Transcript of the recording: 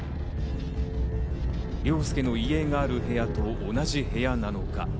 凌介の遺影がある部屋と同じ部屋なのか。